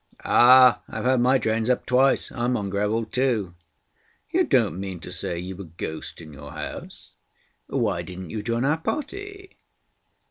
"Ah! I've had my drains up twice; I'm on gravel too." "You don't mean to say you've a ghost in your house? Why didn't you join our party?"